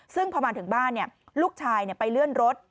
ซึ่งพอมาถึงบ้านลูกชายไปเลื่อนรถ